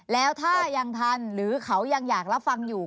แล้วถ้ายังทันหรือเขายังอยากรับฟังอยู่